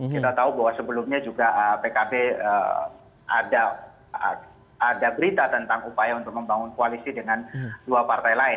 kita tahu bahwa sebelumnya juga pkb ada berita tentang upaya untuk membangun koalisi dengan dua partai lain